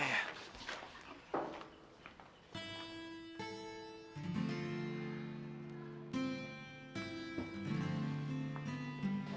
aduh laura mana ya